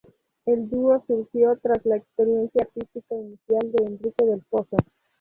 El dúo surgió tras la experiencia artística inicial de Enrique del Pozo.